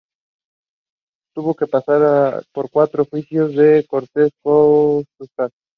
Tuvo que pasar por cuatro juicios en las cortes de Coruscant.